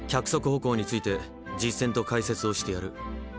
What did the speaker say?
歩行について実践と解説をしてやる。